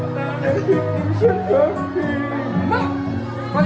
ฉันที่มีกลุ่มพิมพ์ไว้